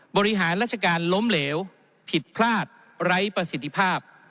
บริหารราชการล้มเหลวผิดพลาดไร้ประสิทธิภาพ